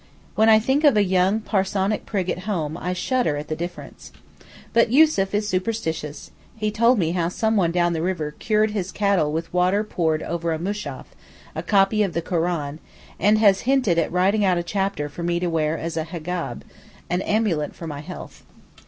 When I think of a young parsonic prig at home I shudder at the difference. But Yussuf is superstitious; he told me how someone down the river cured his cattle with water poured over a Mushaf (a copy of the Koran), and has hinted at writing out a chapter for me to wear as a hegab (an amulet for my health).